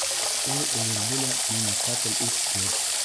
Ул эйелде лә мине ҡапыл үпте.